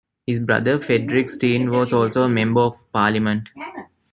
His brother Frederik Steen was also a member of Parliament.